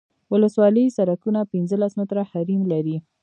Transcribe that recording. ولسوالي سرکونه پنځلس متره حریم لري